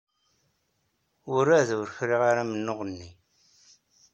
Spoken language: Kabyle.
Werɛad ur friɣ ara amennuɣ-nni.